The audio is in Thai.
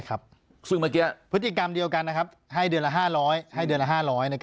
ครับซึ่งเมื่อกี้พฤติกรรมเดียวกันนะครับให้เดือนละ๕๐๐